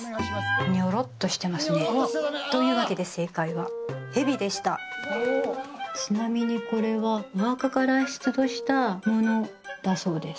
ニョロっとしてますねというわけで正解は「ヘビ」でしたちなみにこれはお墓から出土したものだそうです